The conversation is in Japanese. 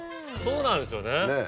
そうなんですよね。